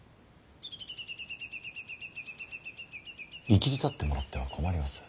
いきりたってもらっては困ります。